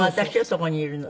そこにいるの。